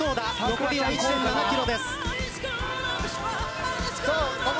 残りは１．７ｋｍです。